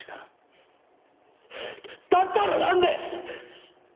だったらなんで！